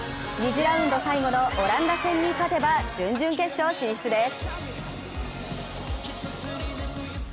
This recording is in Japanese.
２次ラウンド最後のオランダ戦に勝てば準々決勝進出です。